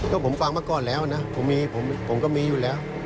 ก็ผมฟังมาก่อนแล้วนะผมก็มีอยู่แล้ว